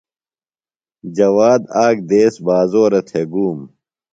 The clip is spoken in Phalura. جواد آک دیس بازورہ تھےۡ گُوم.